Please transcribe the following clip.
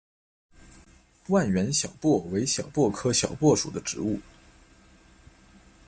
万源小檗为小檗科小檗属的植物。